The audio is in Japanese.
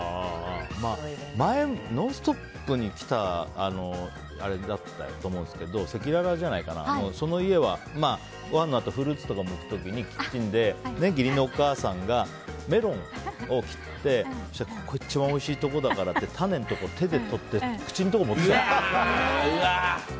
前、「ノンストップ！」に来た時だと思うんですけどせきららじゃないかなその家はフルーツとかむく時にキッチンで義理のお母さんがメロンを切って一番おいしいところだからって種のところ手で取って口のところ持ってきたんだって。